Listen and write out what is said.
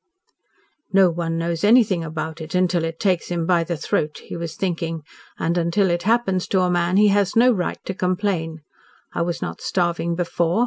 "No one knows anything about it until it takes him by the throat," he was thinking, "and until it happens to a man he has no right to complain. I was not starving before.